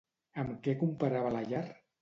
Amb què comparava la llar?